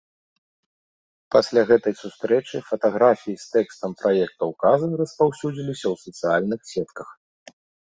Пасля гэтай сустрэчы фатаграфіі з тэкстам праекта ўказа распаўсюдзіліся ў сацыяльных сетках.